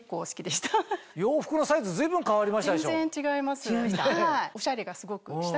洋服のサイズ随分変わりました？